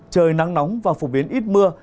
trời nắng nóng và phổ biến ít mưa